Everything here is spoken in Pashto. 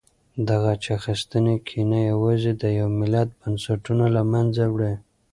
د غچ اخیستنې کینه یوازې د یو ملت بنسټونه له منځه وړي.